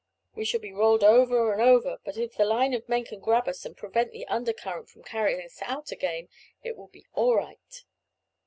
We shall be rolled over and over, but if the line of men can grab us and prevent the under current from carrying us out again, it will be all right."